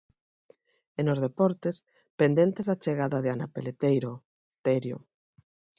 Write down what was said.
E nos deportes, pendentes da chegada de Ana Peleteiro, Terio.